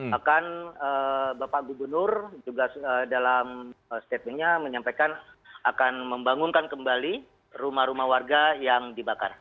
bahkan bapak gubernur juga dalam statementnya menyampaikan akan membangunkan kembali rumah rumah warga yang dibakar